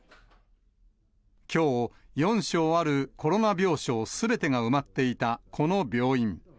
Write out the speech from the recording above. きょう、４床あるコロナ病床すべてが埋まっていたこの病院。